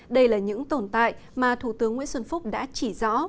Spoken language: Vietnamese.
đây là những tồn tại mà thủ tướng nguyễn xuân phúc đã chỉ rõ